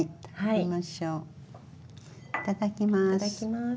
いただきます。